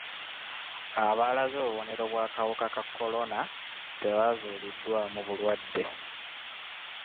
Abaalaze obubonero obw'akawuka ka kolona tebazuuliddwamu bulwadde.